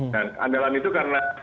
dan andalan itu karena